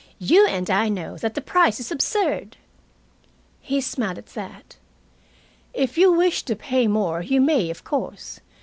You and I know that the price is absurd." He smiled at that. "If you wish to pay more, you may, of course.